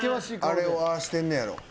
あれをああしてんねやろ。